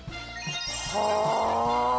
はあ！